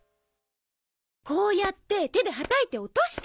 こうやって手ではたいて落として。